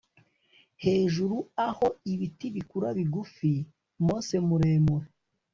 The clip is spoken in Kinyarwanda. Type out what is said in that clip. Hejuru aho ibiti bikura bigufi mose muremure